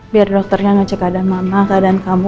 biar dokternya ngecek keadaan mama keadaan kamu